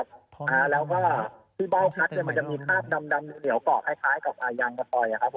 แบบว่าที่เบ้าคัทมันมีภาพดำแดมเหนียวก็อดคล้ายกับยางประตอยครับ